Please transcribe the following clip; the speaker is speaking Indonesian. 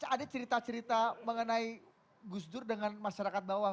ada cerita cerita mengenai gus dur dengan masyarakat bawah